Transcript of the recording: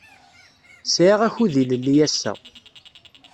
Sɛiɣ akud ilelli ass-a.